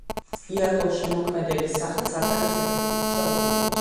იაკობ შემოქმედელის სახელს ატარებს ერთ-ერთი ქუჩა ოზურგეთში.